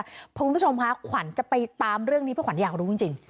คุณผู้ชมค่ะขวัญจะไปตามเรื่องนี้เพราะขวัญอยากรู้จริง